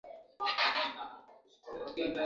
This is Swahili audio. Majenzi walikula chakula kile